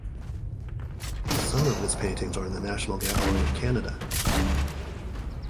Some of his paintings are in the National Gallery of Canada.